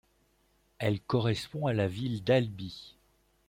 Elle correspond à la ville d'Albi.